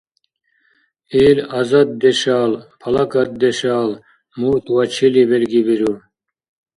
Ил азаддешал, палакатдешал мурт ва чили белгибиру?!